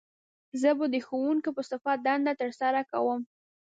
زه به د ښوونکي په صفت دنده تر سره کووم